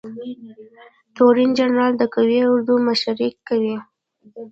تورن جنرال د قول اردو مشري کوي